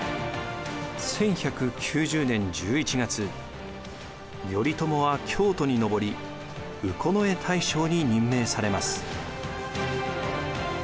１１９０年１１月頼朝は京都に上り右近衛大将に任命されます。